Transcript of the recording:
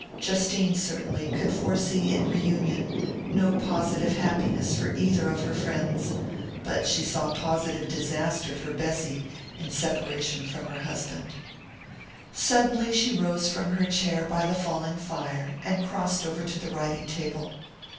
Justine, certainly, could foresee in reunion no positive happiness for either of her friends; but she saw positive disaster for Bessy in separation from her husband.... Suddenly she rose from her chair by the falling fire, and crossed over to the writing table.